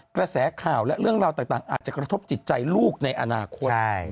กระแสข่าวและเรื่องราวต่างอาจจะกระทบจิตใจลูกในอนาคต